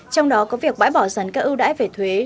trong đó có việc bãi bỏ dần các ưu đãi về thuế